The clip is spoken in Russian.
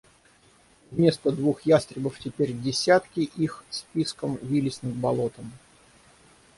Вместо двух ястребов теперь десятки их с писком вились над болотом.